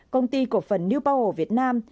công ty của phần new power việt nam